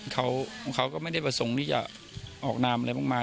เขาก็ไม่ได้ประสงค์ที่จะออกนามอะไรมากมาย